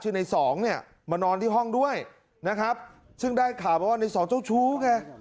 ชื่อนายสองมันอนที่ห้องด้วยนะครับซึ่งได้ข่าวว่านายสองเจ้าชู้เนี่ย